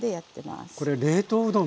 そう冷凍うどん